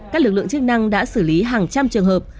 các lực lượng chức năng đã xử lý hàng trăm trường hợp